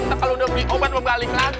nah kalau udah beli obat mau balik lagi